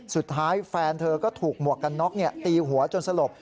สุดท้ายแฟนเธอก็ถูกหมวกกันน็อกตีหัวจนสลบ